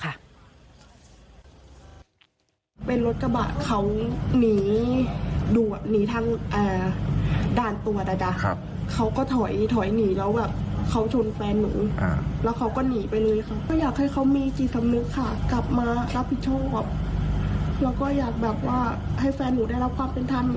เพราะว่ายังไงแปลหนูเสียไปแล้วว่าเขาไม่สามารถพูดอะไรได้นะครับ